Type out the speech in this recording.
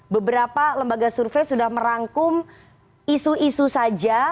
beberapa lembaga survei sudah merangkum isu isu saja